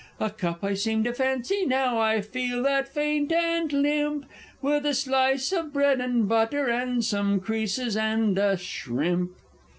A cup I seem to fancy now I feel that faint and limp With a slice of bread and butter, and some creases, and a s'rimp!"